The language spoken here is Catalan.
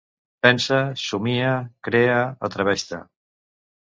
Pensa, somia, crea, atreveix-te.